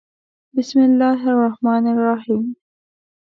《بِسْمِ اللَّـهِ الرَّحْمَـٰنِ الرَّحِيمِ》